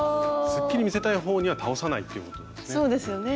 すっきり見せたい方には倒さないということですね？